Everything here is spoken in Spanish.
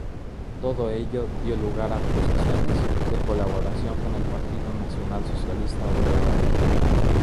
Todo ello dio lugar a acusaciones de colaboración con el Partido Nacionalsocialista Obrero Alemán.